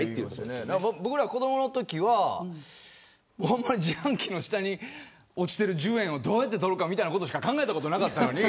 僕ら、子どものときはほんまに自販機の下に落ちている１０円をどうやって取るかしか考えたことなかったのに。